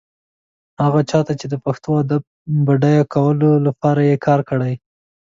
هغه چا ته چې د پښتو ادب بډایه کولو لپاره يې کار کړی.